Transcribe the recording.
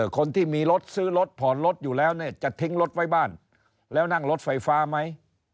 คนที่มีรถซื้อรถผ่อนรถอยู่แล้วเนี่ยจะทิ้งรถไว้บ้านแล้วนั่งรถไฟฟ้าไหม